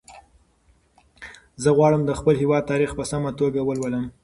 زه غواړم چې د خپل هېواد تاریخ په سمه توګه ولولم.